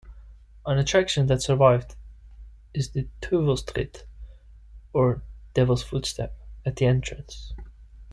An attraction that survived is the "Teufelstritt", or Devil's Footstep, at the entrance.